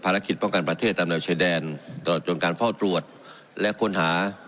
คิดป้องกันประเทศตามแนวชายแดนตลอดจนการเฝ้าตรวจและค้นหา